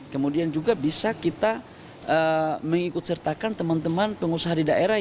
kemudian juga bisa kita mengikut sertakan teman teman pengusaha di daerah